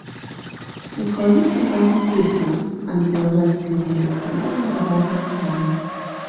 Руководители должны действовать, а не продолжать игнорировать проблемы Мирового океана.